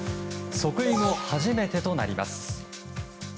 即位後初めてとなります。